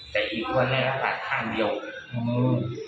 แต่อีกคนเนี่ยก็ตัดข้างเดียวมือ